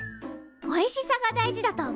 おいしさが大事だと思う。